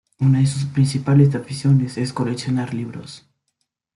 Una de sus principales aficiones es coleccionar libros.